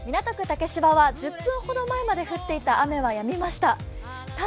竹芝は１０分ほど前まで降っていた雨はやみました。